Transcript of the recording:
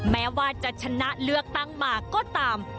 แม้ว่าจะชนะเลือกตั้งมาก็ตาม